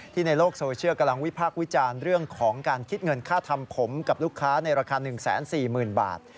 ในโลกโซเชียลกำลังวิพากษ์วิจารณ์เรื่องของการคิดเงินค่าทำผมกับลูกค้าในราคา๑๔๐๐๐บาท